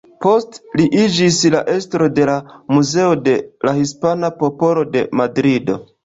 Poste li iĝis la estro de la Muzeo de la Hispana Popolo de Madrido.